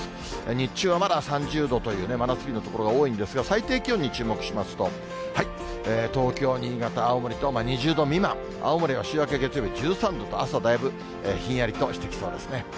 日中はまだ３０度というね、真夏日の所が多いんですが、最低気温に注目しますと、東京、新潟、青森と２０度未満、青森が週明け月曜日１３度と、朝だいぶひんやりとしてきそうですね。